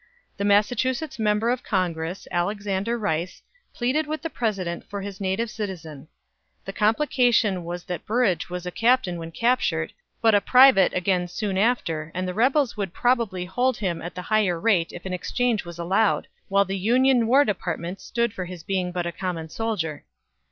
The Massachusetts member of Congress, Alexander Rice, pleaded with the President for his native citizen. The complication was that Burrage was a captain when captured, but a private again soon after, and the rebels would probably hold him at the higher rate if an exchange was allowed, while the Union War Department stood for his being but a common soldier.